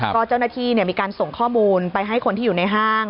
ก็เจ้าหน้าที่มีการส่งข้อมูลไปให้คนที่อยู่ในห้าง